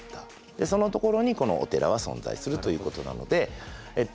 その所にこのお寺は存在するということなのでえっと